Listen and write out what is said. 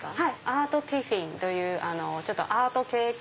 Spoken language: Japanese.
アートティフィンというアート系。